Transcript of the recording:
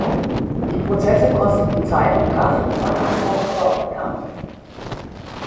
Die Prozesse kosteten Zeit und Kraft, machten Koch aber auch bekannt.